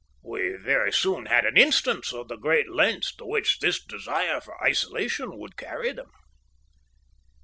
We very soon had an instance of the great lengths to which this desire for isolation would carry them.